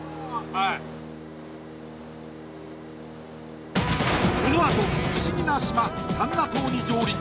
はいこのあと不思議な島タンナ島に上陸